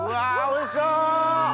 おいしそう！